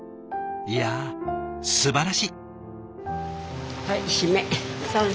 いやすばらしい。